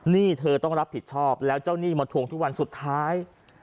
เธอต้องรับผิดชอบแล้วเจ้าหนี้มาทวงทุกวันสุดท้าย